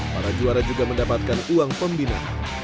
para juara juga mendapatkan uang pembina